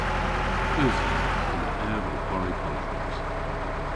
Usi. Yma ev ow kwari pel droos.